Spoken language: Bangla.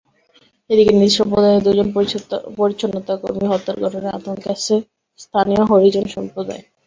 এদিকে নিজ সম্প্রদায়ের দুজন পরিচ্ছন্নতাকর্মী হত্যার ঘটনায় আতঙ্কে আছে স্থানীয় হরিজন সম্প্রদায়।